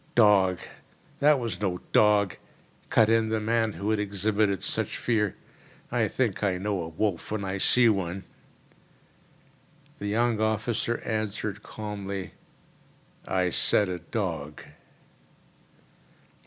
"Dog! that was no dog," cut in the man who had exhibited such fear. "I think I know a wolf when I see one." The young officer answered calmly: "I said a dog."